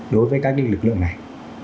đối với các lực lượng này